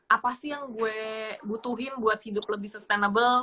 apa sih yang gue butuhin buat hidup lebih sustainable